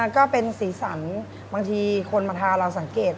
ก็เป็นสีสันบางทีคนมาทาเราสังเกต